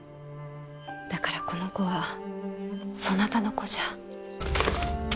だからこの子はそなたの子じゃ。